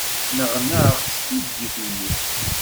Nneɣnaɣ s tiddit-nnek.